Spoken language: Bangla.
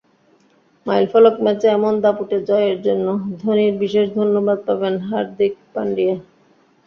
মাইলফলক ম্যাচে এমন দাপুটে জয়ের জন্য ধোনির বিশেষ ধন্যবাদ পাবেন হার্দিক পান্ডিয়া।